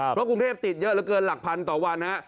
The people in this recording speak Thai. เพราะกรุงเทพติดเยอะเกินหลักพันต่อวันครับ